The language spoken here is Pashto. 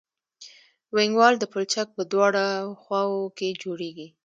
وینګ وال د پلچک په دواړو خواو کې جوړیږي